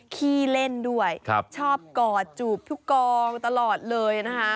ขี้เล่นด้วยชอบกอดจูบทุกกองตลอดเลยนะคะ